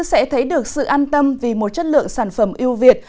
chúng ta sẽ thấy được sự an tâm vì một chất lượng sản phẩm ưu việt